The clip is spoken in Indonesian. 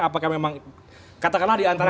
apakah memang katakanlah diantara